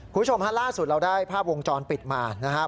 ผู้ชมล่าสุดเราได้ภาพวงจรปิดมานะฮะ